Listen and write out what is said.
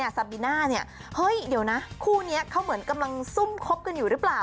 ซาบิน่าเนี่ยเฮ้ยเดี๋ยวนะคู่นี้เขาเหมือนกำลังซุ่มคบกันอยู่หรือเปล่า